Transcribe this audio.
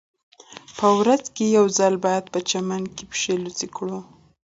په ورځ کې یو ځل باید په چمن پښې لوڅې کړو